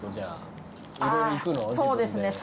あっそうですね。